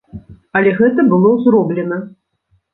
Але гэта было зроблена!